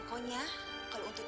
pokoknya kalau untuk tv